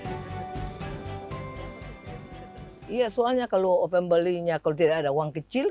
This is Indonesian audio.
iya soalnya kalau pembelinya kalau tidak ada uang kecil